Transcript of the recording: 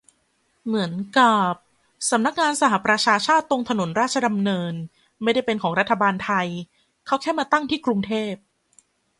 เหมือนกับสำนักงานสหประชาชาติ ตรงถนนราชดำเนิน ไม่ได้เป็นของรัฐบาลไทย เขาแค่มาตั้งที่กรุงเทพ